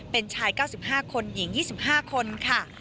เป็นชาย๙๕คนหญิง๒๕คนค่ะ